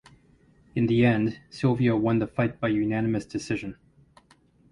In the end Sylvia won the fight by unanimous decision.